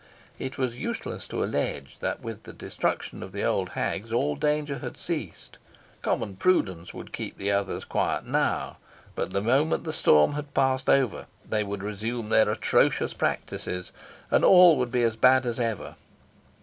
It was useless to allege that with the destruction of the old hags all danger had ceased. Common prudence would keep the others quiet now; but the moment the storm passed over, they would resume their atrocious practices, and all would be as bad as ever.